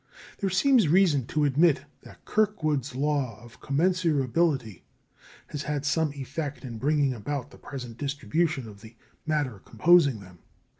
There seems reason to admit that Kirkwood's law of commensurability has had some effect in bringing about the present distribution of the matter composing them.